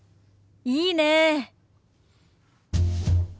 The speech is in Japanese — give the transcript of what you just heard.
いいねえ。